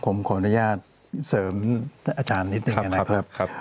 ผมขออนุญาตเสริมเนี่ยอาจารย์นิดหนึ่งอย่างนั้นครับ